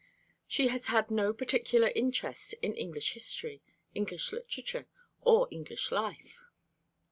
She has had no particular interest in English history, English literature or English life.